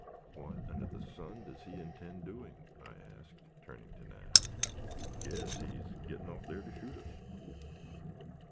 "What under the sun does he intend doing?" I asked, turning to Nat. "Guess he's getting off there to shoot us."